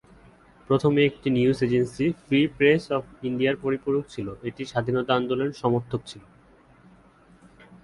প্রথমে একটি news agency, free press of ইন্ডিয়ার পরিপূরক ছিল, এটি স্বাধীনতা আন্দোলনের সমর্থক ছিল।